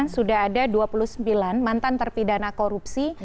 sudah ada dua puluh sembilan mantan terpidana korupsi